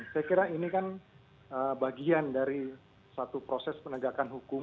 saya kira ini kan bagian dari satu proses penegakan hukum